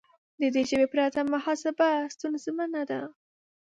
د دې ژبې پرته محاسبه ستونزمنه ده.